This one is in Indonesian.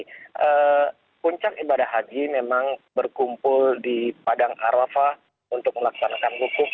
jadi puncak ibadah haji memang berkumpul di padang arafah untuk melaksanakan bukuf